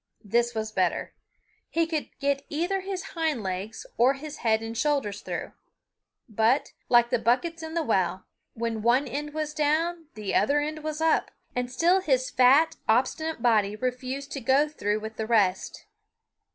This was better. He could get either his hind legs or his head and shoulders through; but, like the buckets in the well, when one end was down the other end was up, and still his fat, obstinate body refused to go through with the rest.